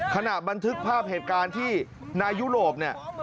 บันทึกภาพเหตุการณ์ที่นายยุโรปเนี่ย